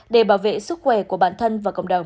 để bảo vệ sức khỏe của bản thân và cộng đồng